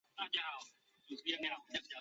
然后再绕去买羽绒衣